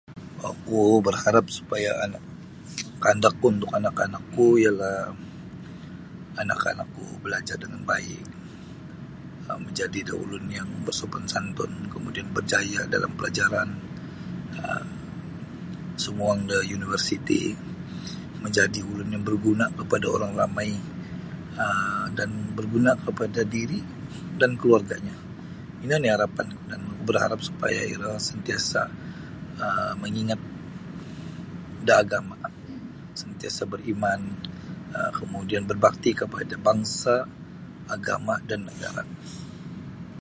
Oku berharap supaya anak-anakku kandakku untuk anak-anakku ialah anak-anakku balajar dengan baik um majadi da ulun yang basupan santun da kamudian bajaya dalam palajaran um sumuang da universiti majadi ulun yang baguna kepada orang ramai um dan berguna kepada diri dan keluarganya ino oni harapanku da ana oku berharap iroh santiasa mangingat da agama santiasa beriman um kamudian berbakti kapada bangsa agama dan negara.